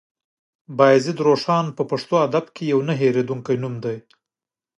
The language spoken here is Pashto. بايزيد روښان په پښتو ادب کې يو نه هېرېدونکی نوم دی.